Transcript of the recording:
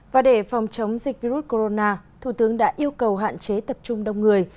và để phòng chống dịch virus corona thủ tướng đã yêu cầu hạn chế tập trung đông người